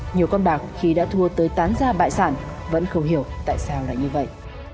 nhiều con bạc khi đã thua tới tán ra bại sản vẫn không hiểu tại sao lại như vậy